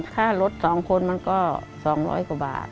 ค่ารถ๒คนมันก็๒๐๐กว่าบาท